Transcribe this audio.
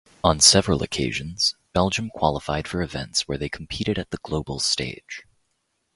On several occasions, Belgium qualified for events where they competed at the global stage.